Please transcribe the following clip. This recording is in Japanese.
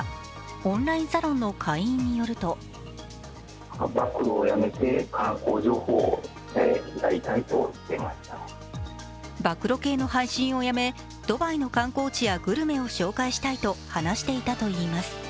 オンラインサロンの会員によると暴露系の配信をやめドバイの観光地やグルメを紹介したいと話していたといいます。